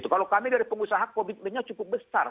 kalau kami dari pengusaha komitmennya cukup besar